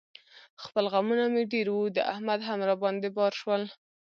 خپل غمونه مې ډېر و، د احمد هم را باندې بار شول.